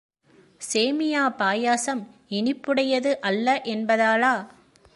சேமியா பாயசம் இனிப்புடையது அல்ல என்பதாலா?